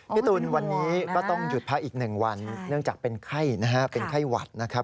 พี่ตูนวันนี้ก็ต้องหยุดพักอีก๑วันเนื่องจากเป็นไข้นะฮะเป็นไข้หวัดนะครับ